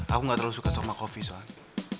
aku gak terlalu suka sama kopi soalnya